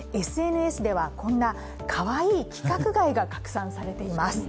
ＳＮＳではこんなかわいい規格外が拡散されています。